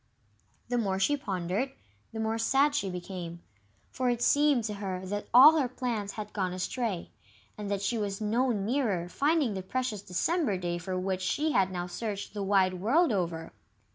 The more she pondered, the more sad she became, for it seemed to her that all her plans had gone astray, and that she was no nearer finding the precious December day for which she had now searched the wide world over.